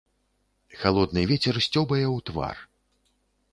Халодны вецер сцёбае ў твар.